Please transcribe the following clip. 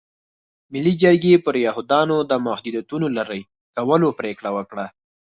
ملي جرګې پر یهودیانو د محدودیتونو لرې کولو پرېکړه وکړه.